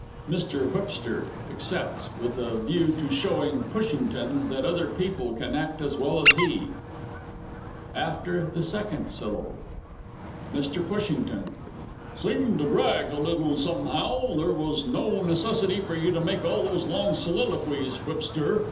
[MR. W. accepts with a view to showing PUSHINGTON that other people can act as well as he. AFTER THE SECOND SYLLABLE. MR. PUSHINGTON. Seemed to drag a little, somehow! There was no necessity for you to make all those long soliloquies, Whipster.